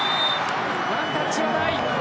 ワンタッチはない。